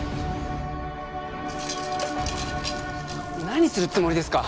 何するつもりですか？